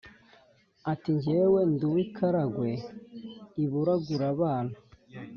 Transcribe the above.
ati"njyewe nduwi karagwe iburagurabana